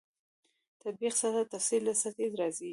تطبیق سطح تفسیر له سطحې رازېږي.